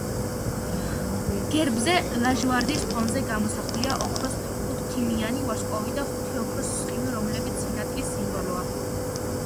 გერბზე, ლაჟვარდის ფონზე გამოსახულია ოქროს ხუთქიმიანი ვარსკვლავი და ხუთი ოქროს სხივი, რომლებიც სინათლის სიმბოლოა.